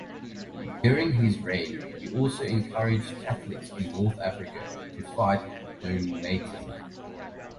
During his reign he also encouraged Catholics in North Africa to fight Donatism.